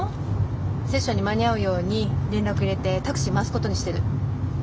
セッションに間に合うように連絡入れてタクシー回すことにしてる。